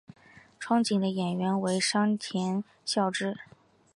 憧憬的演员为山田孝之。